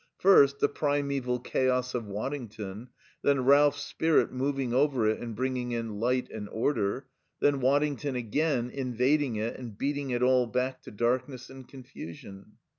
First, the primeval chaos of Waddington; then Ralph's spirit moving over it and bringing in light and order; then Waddington again, invading it and beating it all back to darkness and confusion.